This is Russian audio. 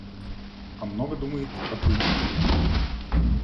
А много думает от уединения.